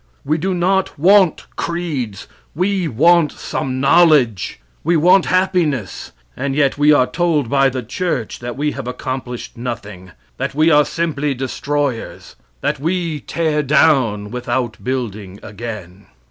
We do not want creeds; we want some knowledge. We want happiness. And yet we are told by the church that we have accomplished nothing; that we are simply destroyers; that we tear down without building again.